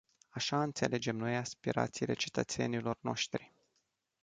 Așa înțelegem noi aspirațiile cetățenilor noștri.